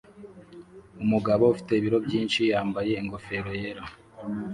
Umugabo ufite ibiro byinshi yambaye ingofero yera